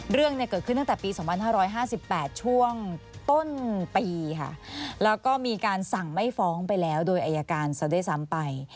เรื่องเกิดขึ้นตั้งแต่ปี๒๕๕๘ช่วงต้นปีค่ะแล้วก็มีการสั่งไม่ฟ้องไปแล้วโดยอายการซะด้วยซ้ำไป